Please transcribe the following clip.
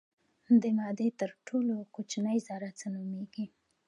د مادې تر ټولو کوچنۍ ذره څه نومیږي.